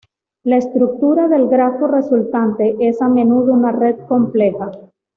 La estructura del grafo resultante es a menudo una red compleja.